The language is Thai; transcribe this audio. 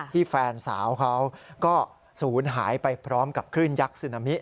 แฟนสาวเขาก็ศูนย์หายไปพร้อมกับคลื่นยักษ์ซึนามิ